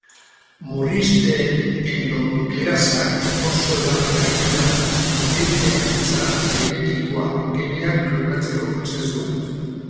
Murrizte-endonukleasak oso erabiliak dira ingeniaritza genetikoan, geneak klonatzeko prozesuan.